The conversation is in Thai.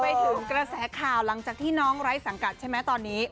ไปถึงกระแสข่าวหลังจากที่น้องไร้สังกัดใช่ไหมตอนนี้